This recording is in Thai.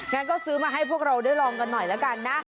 งั้นก็ซื้อมาให้พวกเราได้ลองกันหน่อยแล้วกันนะ